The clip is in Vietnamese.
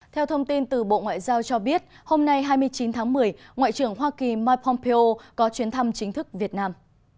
theo thông tin từ bộ ngoại giao cho biết hôm nay hai mươi chín tháng một mươi ngoại trưởng hoa kỳ mike pompeo có chuyến thăm chính thức việt nam